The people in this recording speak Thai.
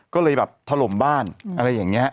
ก็เลยแบบถล่มบ้านอะไรอย่างนี้